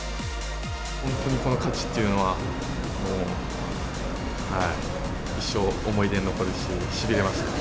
本当にこの勝ちっていうのは、一生思い出に残るし、しびれましたね。